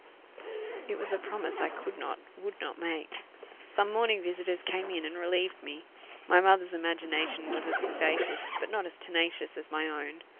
It was a promise I could not, would not make: some morning visitors came in and relieved me. My mother's imagination was as vivacious, but not as tenacious as my own.